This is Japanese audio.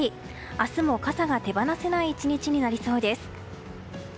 明日も傘が手放せない１日になりそうです。